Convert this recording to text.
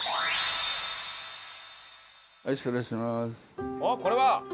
おっこれは？